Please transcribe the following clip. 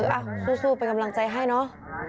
อ่ะสู้เป็นกำลังใจให้เนอะ